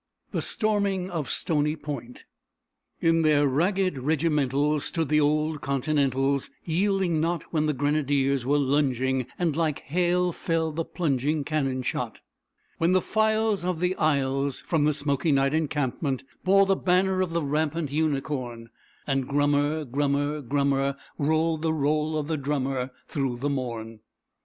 THE STORMING OF STONY POINT In their ragged regimentals Stood the old Continentals, Yielding not, When the grenadiers were lunging, And like hail fell the plunging Cannon shot; When the files Of the isles From the smoky night encampment bore the banner of the rampant Unicorn, And grummer, grummer, grummer, rolled the roll of the drummer, Through the morn!